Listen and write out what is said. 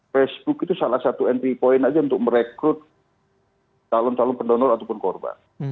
facebook itu salah satu entry point saja untuk merekrut talon talon pendonor ataupun korban